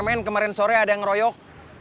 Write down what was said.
kemarin kemarin sore ada yang ngeroyok